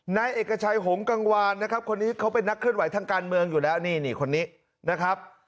นายเอกชัยหงกังวานนะครับคนนี้เขาเป็นนักเคลื่อนไหวทางการเมืองอยู่แล้วนี่คนนี้นะครับ